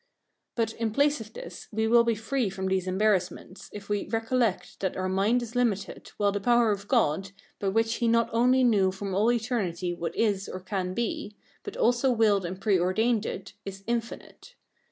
But, in place of this, we will be free from these embarrassments if we recollect that our mind is limited, while the power of God, by which he not only knew from all eternity what is or can be, but also willed and pre ordained it, is infinite.